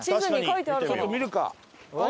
ちょっと見るか！